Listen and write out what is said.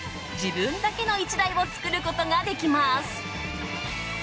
自分だけの１台を作ることができます。